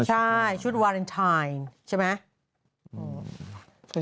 ใช่ชุดวาเลนไทยใช่ไหม